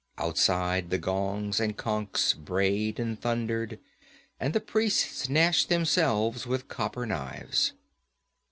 Outside, the gongs and conchs brayed and thundered and the priests gashed themselves with copper knives.